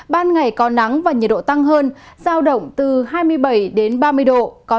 ban ngày có nắng và nhiệt độ tăng hơn giao động từ hai mươi bảy đến ba mươi độ